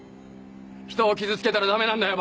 人を傷つけたらダメなんだよ